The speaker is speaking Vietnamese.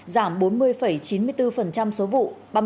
giảm bốn mươi chín mươi bốn số vụ